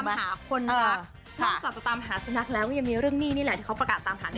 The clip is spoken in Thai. ต้องหาคนนะคะต้องการตามหาสนักแล้วยังมีเรื่องหนี้นี่แหละที่เค้าประกาศตามหาในโลกโซเชียล